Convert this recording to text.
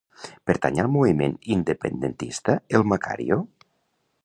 Pertany al moviment independentista el Macario?